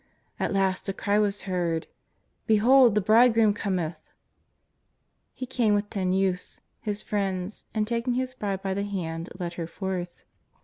At last a cry was heard :" Behold the bridegroom cometh !" He came with ten youths, his friends, and taking his bride bv the hand led her forth.